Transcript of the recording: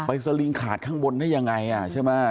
สลิงขาดข้างบนได้ยังไงใช่ไหม